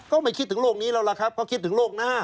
ก็ไม่คิดถึงโลกนี้แล้วล่ะครับก็คิดถึงโลกหน้า